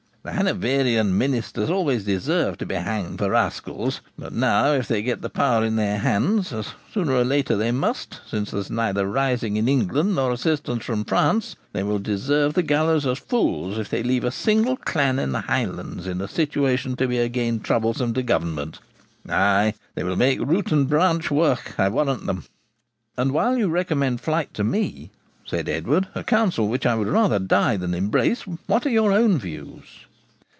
The Hanoverian ministers always deserved to be hanged for rascals; but now, if they get the power in their hands, as, sooner or later, they must, since there is neither rising in England nor assistance from France, they will deserve the gallows as fools if they leave a single clan in the Highlands in a situation to be again troublesome to government. Ay, they will make root and branch work, I warrant them.' 'And while you recommend flight to me,' said Edward, 'a counsel which I would rather die than embrace, what are your own views?'